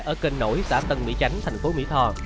ở kênh nổi xã tân mỹ tránh thành phố mỹ tho